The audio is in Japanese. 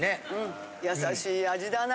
優しい味だな。